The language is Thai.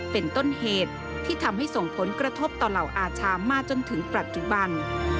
เป็นต้นเหตุที่ทำให้ส่งผลกระทบต่อเหล่าอาชามาจนถึงปัจจุบัน